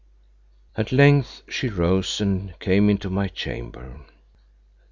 At length she rose and came into my chamber.